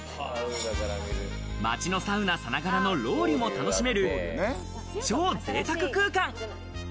街のサウナさながらのロウリュも楽しめる、超ぜいたく空間。